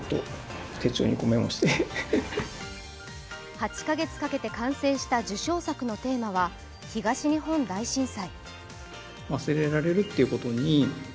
８か月かけて完成した受賞作のテーマは東日本大震災。